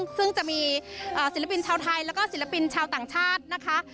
ซึ่งจะมีศิลปินชาวไทยแล้วก็ศิลปินชาวต่างชาตินะคะ